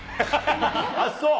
あっ、そう。